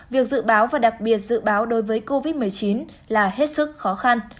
việc dự báo và đặc biệt dự báo đối với covid một mươi chín là hết sức khó khăn